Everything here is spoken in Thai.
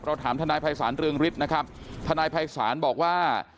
ถามทนายภัยศาลเรืองฤทธิ์นะครับทนายภัยศาลบอกว่า